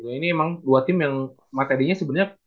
ini emang dua tim yang materinya sebenarnya